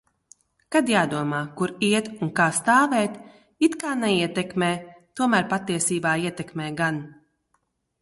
Kad jādomā, kur iet un kā stāvēt... "It kā neietekmē", tomēr patiesībā ietekmē gan.